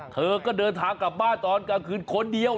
เธอก็เดินทางกลับบ้านตอนกลางคืนคนเดียว